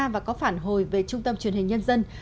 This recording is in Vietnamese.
và có phản hồi về trung tâm truyền hình nhân dân